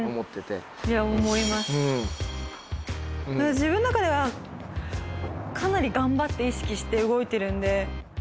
自分の中ではかなり頑張って意識して動いてるんで。